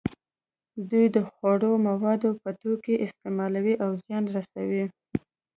دوی د خوړو موادو په توګه یې استعمالوي او زیان رسوي.